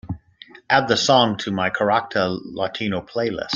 Add the song to my carácter latino playlist.